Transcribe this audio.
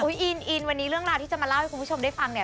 อินวันนี้เรื่องราวที่จะมาเล่าให้คุณผู้ชมได้ฟังเนี่ย